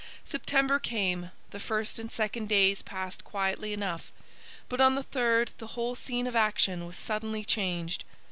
September came. The first and second days passed quietly enough. But on the third the whole scene of action was suddenly changed.